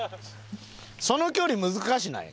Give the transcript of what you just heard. その距離難しない？